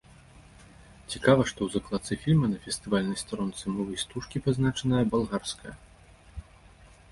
Цікава, што ў закладцы фільма на фестывальнай старонцы мовай стужкі пазначаная балгарская.